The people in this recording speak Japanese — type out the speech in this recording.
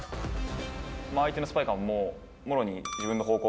相手のスパイクがもろに自分の方向